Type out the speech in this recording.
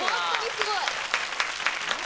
すごいな！